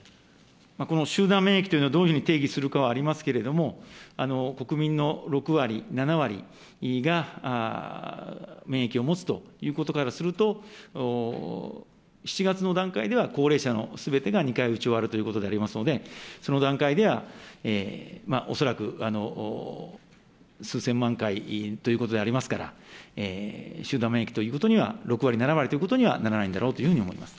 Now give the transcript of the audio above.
この集団免疫というのをどういうふうに定義するかはありますけれども、国民の６割、７割が免疫を持つということからすると、７月の段階では高齢者のすべてが２回打ち終わるということでありますので、その段階では恐らく数千万回ということでありますから、集団免疫ということには、６割、７割ということにはならないんだろうと思います。